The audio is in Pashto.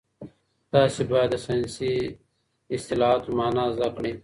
تاسي باید د ساینسي اصطلاحاتو مانا زده کړئ.